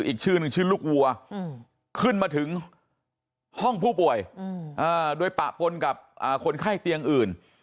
อีกชื่อหนึ่งชื่อลูกวัวขึ้นมาถึงห้องผู้ป่วยโดยปะปนกับคนไข้เตียงอื่น